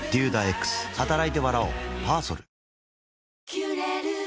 「キュレル」